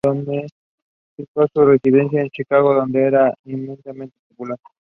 Fijó su residencia en Chicago, donde era inmensamente popular.